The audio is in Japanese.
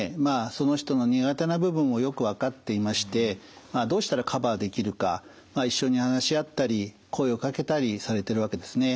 その人の苦手な部分をよく分かっていましてどうしたらカバーできるか一緒に話し合ったり声をかけたりされてるわけですね。